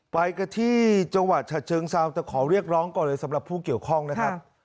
ไปกันที่จังหวัดฉะเชิงเซาแต่ขอเรียกร้องก่อนเลยสำหรับผู้เกี่ยวข้องนะครับ